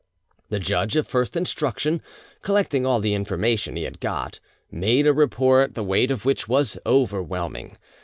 The judge of first instruction, collecting all the information he had got, made a report the weight of which was overwhelming.